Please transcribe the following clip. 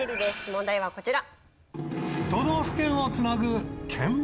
問題はこちら。